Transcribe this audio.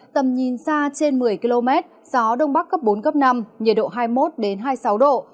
tầm nhìn xa trên một mươi km gió đông bắc cấp bốn cấp năm nhiệt độ hai mươi một hai mươi sáu độ